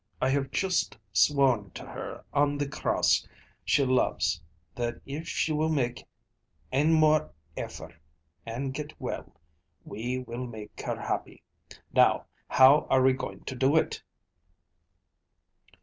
I have juist sworn to her on the cross she loves that if she will make ane more effort, and get well, we will make her happy. Now, how are we going to do it?"